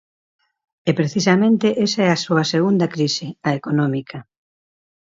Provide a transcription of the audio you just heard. E precisamente esa é a súa segunda crise: a económica.